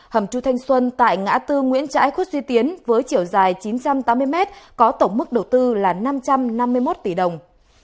hầm chu thanh xuân tại ngã tư nguyễn trãi khuất duy tiến với chiều dài chín trăm tám mươi mét có tổng mức đầu tư là năm trăm năm mươi một tỷ đồng